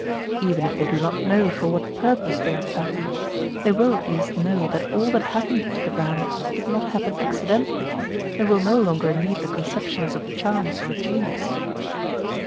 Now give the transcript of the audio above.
Even if they do not know for what purpose they are fattened, they will at least know that all that happened to the ram did not happen accidentally, and will no longer need the conceptions of chance or genius.